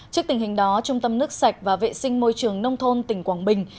trước tình hình đó trung tâm nước sạch và vệ sinh môi trường nông thôn tỉnh quảng bình